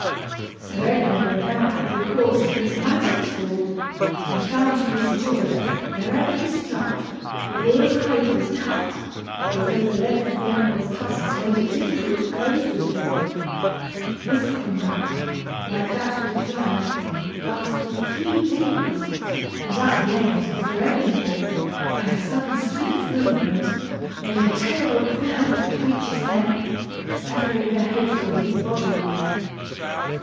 Sir Eglamour now had recourse to his magic sword, and found to his joy that, wherever he struck, the boar's hide was cut; although the length of the animal's tusks made it difficult to close with him. This combat, like that with the giant, lasted three days, and at the end Sir Eglamour, by a sudden swift movement, made a terrible blow at the creature's neck, severing the head from his body.